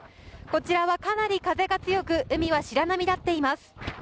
こちらはかなり風が強く海は白波立っています。